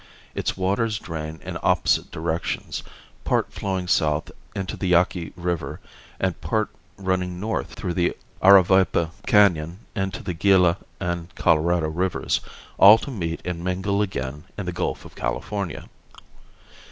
Its waters drain in opposite directions, part flowing south into the Yaqui river, and part running north through the Aravaipa Canon into the Gila and Colorado rivers, all to meet and mingle again in the Gulf of California.